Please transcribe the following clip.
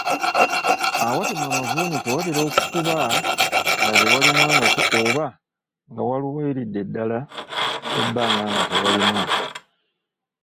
Awatemwa amavuunike watera kuba nga tewalimwangako oba nga walwiridde ddala ebbanga nga tewalimwa.